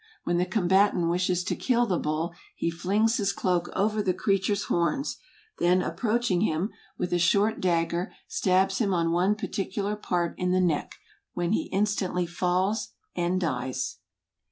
When the combatant wishes to kill the bull, he flings his cloak over the creature's horns ; then approaching him, with a short dag¬ ger stabs him on one particular part in the neck; when he instantly falls, and dies.